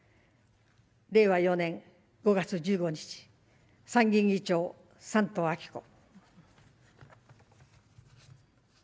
令和４年５月１５日参議院議長、山東昭子。